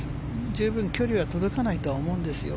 十分、距離は届かないとは思うんですよ。